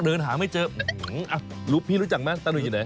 เดินหาไม่เจอพี่รู้จักไหมตาหุยอยู่ไหน